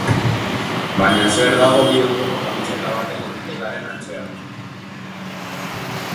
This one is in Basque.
Baina, zer dago bi euroko kamiseta baten etiketaren atzean?